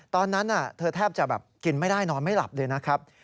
ตอนนั้นเธอแทบจะแบบกินไม่ได้นอนไม่หลับเลยนะครับ